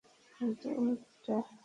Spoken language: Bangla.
কিন্তু উল্টে না।